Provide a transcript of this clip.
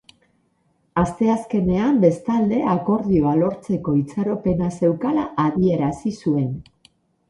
Asteazkenean, bestalde, akordioa lortzeko itxaropena zeukala adierazi zuen.